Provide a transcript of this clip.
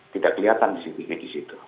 tidak kelihatan cctv disitu